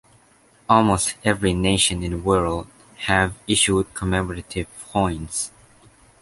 Almost every nation in the world have issued commemorative coins.